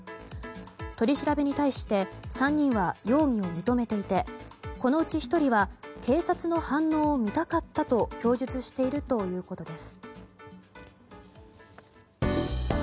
取り調べに対して３人は容疑を認めていてこのうち１人は警察の反応を見たかったと供述しているということです。